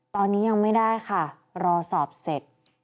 ตอนนี้ยังไม่ได้ค่ะรอสอบเสร็จ